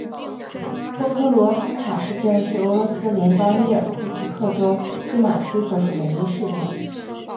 波克罗夫卡市镇是俄罗斯联邦伊尔库茨克州济马区所属的一个市镇。